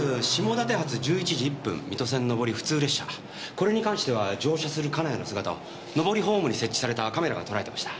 これに関しては乗車する金谷の姿を上りホームに設置されたカメラがとらえてました。